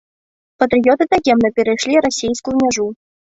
Патрыёты таемна перайшлі расейскую мяжу.